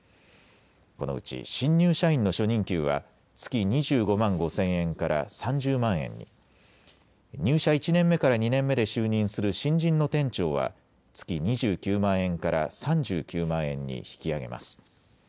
このうち新入社員の初任給は月２５万５０００円から３０万円に入社１年目から２年目で就任する新人の店長は月２９万円から３９万円に引き上げます。